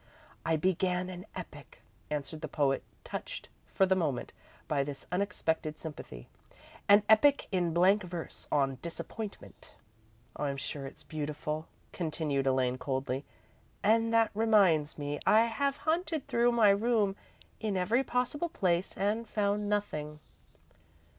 "I began an epic," answered the poet, touched, for the moment, by this unexpected sympathy. "An epic in blank verse, on 'Disappointment.'" "I'm sure it's beautiful," continued Elaine, coldly. "And that reminds me. I have hunted through my room, in every possible place, and found nothing."